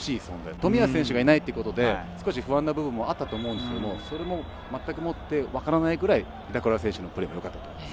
冨安選手がいないということで少し不安な部分もあったと思うんですけどそれも全くもって分からないぐらい板倉選手のプレーが良かったと思います。